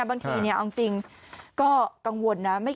บางทีก็กังวลนะ